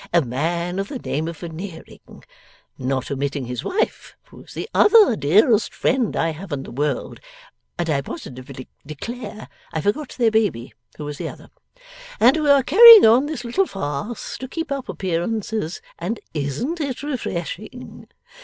A man of the name of Veneering. Not omitting his wife, who is the other dearest friend I have in the world; and I positively declare I forgot their baby, who is the other. And we are carrying on this little farce to keep up appearances, and isn't it refreshing!